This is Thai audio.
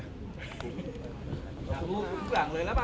อ้าวลูกหลังเลยแล้วป่ะ